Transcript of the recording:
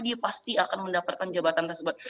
dia pasti akan mendapatkan jabatan tersebut